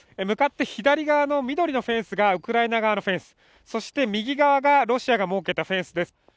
向かって左側の緑のフェンスがウクライナ側のフェンス、そして右側がロシアが設けたフェンスです。